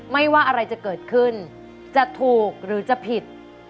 ไม่ว่าอะไรจะเกิดขึ้นจะถูกหรือจะผิด